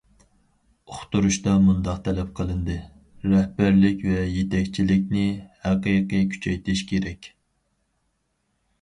ئۇقتۇرۇشتا مۇنداق تەلەپ قىلىندى: رەھبەرلىك ۋە يېتەكچىلىكنى ھەقىقىي كۈچەيتىش كېرەك.